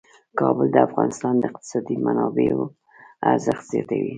کابل د افغانستان د اقتصادي منابعو ارزښت زیاتوي.